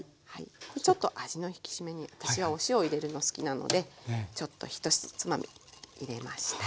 ちょっと味の引き締めに私はお塩を入れるの好きなのでちょっと１つまみ入れました。